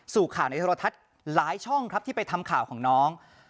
สู่ข่าวในโทรทัศน์หลายช่องครับที่ไปทำข่าวของน้อง